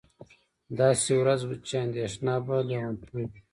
داسې ورځ چې اندېښنه به لېونتوب وي